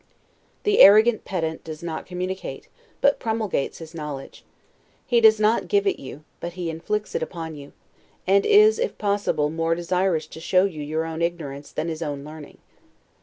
The arrogant pedant does not communicate, but promulgates his knowledge. He does not give it you, but he inflicts it upon you; and is (if possible) more desirous to show you your own ignorance than his own learning.